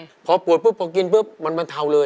อเจมส์พอปวดปุ๊บพอกินปุ๊บมันเทาเลย